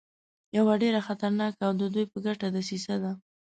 یوه ډېره خطرناکه او د دوی په ګټه دسیسه ده.